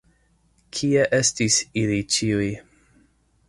Kie estis ili ĉiuj?